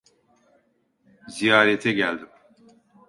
Ziyarete geldim.